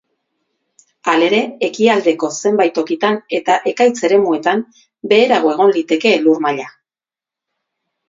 Halere, ekialdeko zenbait tokitan eta ekaitz eremuetan, beherago egon liteke elur-maila.